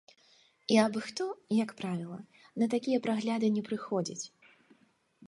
І абы-хто, як правіла, на такія прагляды не прыходзіць.